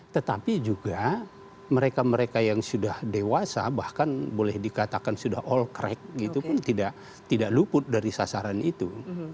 tetapi juga mereka mereka yang sudah dewasa bahkan boleh dikatakan sudah all crack gitu pun tidak luput dari sasaran itu